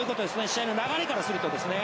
試合の流れからすると。